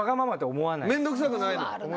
面倒くさくないの？